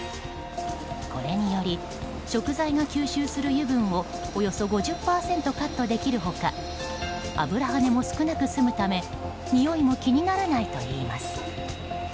これにより食材が吸収する油分をおよそ５０％カットできる他油はねも少なく済むためにおいも気にならないといいます。